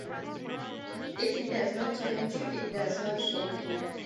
If it does not challenge you, it does not change you.